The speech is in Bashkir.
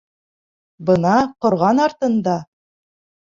Бына, ҡорған артында!